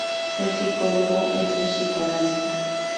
Ser psicólogo es ser psicoanalista.